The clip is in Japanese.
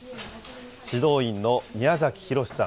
指導員の宮崎博さん。